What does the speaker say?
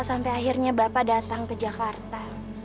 sampai akhirnya bapak datang ke jakarta